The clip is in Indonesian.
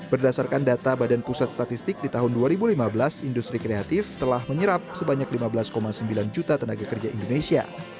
berdasarkan data badan pusat statistik di tahun dua ribu lima belas industri kreatif telah menyerap sebanyak lima belas sembilan juta tenaga kerja indonesia